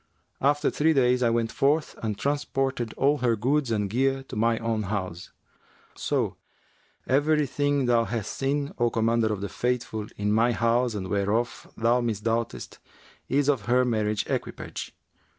After three days, I went forth and transported all her goods and gear to my own house; so every thing thou hast seen, O Commander of the Faithful, in my house and whereof thou misdoubtest, is of her marriage equipage.